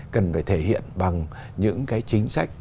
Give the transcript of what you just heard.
cần phải thể hiện bằng những cái chính sách